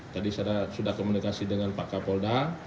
tadi saya sudah komunikasi dengan pak kapolda